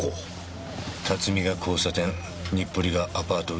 辰巳が交差点日暮里がアパート裏の駐車場。